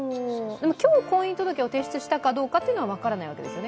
今日、婚姻届を提出したかどうかは分からないんですよね？